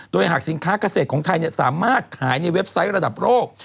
โดยหากสินค้าเกษตรของไทยสามารถขายในเว็บไซต์ระดับโลก